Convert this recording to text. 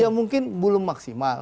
ya mungkin belum maksimal